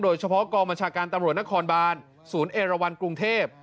โดยเฉพาะกองบัญชาการตำรวจนครบานศูนย์เอราวันกรุงเทพ